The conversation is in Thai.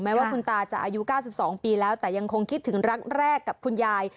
ว่าคุณตาจะอายุ๙๒ปีแล้วแต่ยังคงคิดถึงรักแรกกับคุณยาย